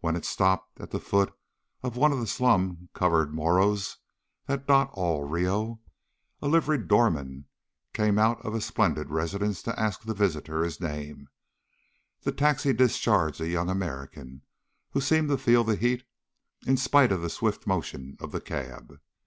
When it stopped at the foot of one of the slum covered morros that dot all Rio, and a liveried doorman came out of a splendid residence to ask the visitor his name, the taxi discharged a young American who seemed to feel the heat, in spite of the swift motion of the cab.